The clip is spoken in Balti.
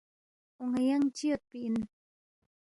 اون٘ا ینگ چِہ یودپی اِن؟